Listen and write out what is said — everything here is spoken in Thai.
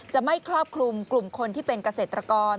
จะไม่ครอบคลุมกลุ่มคนที่เป็นเกษตรกร